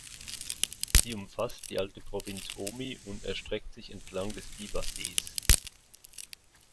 Sie umfasst die alte Provinz Ōmi und erstreckt sich entlang des Biwa-Sees.